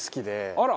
あら！